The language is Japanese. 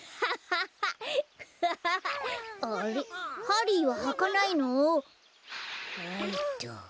ハリーははかないの？